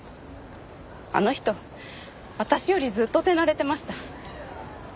あの人私よりずっと手慣れてました。